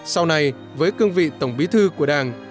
sau này với cương vị tổng bí thư của đảng